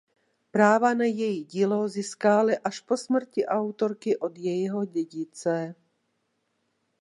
Práva na její dílo získali až po smrti autorky od jejího dědice.